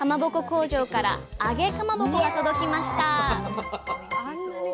工場から「揚げかまぼこ」が届きました